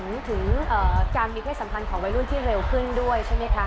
ถึงการมีเพศสัมพันธ์ของวัยรุ่นที่เร็วขึ้นด้วยใช่ไหมคะ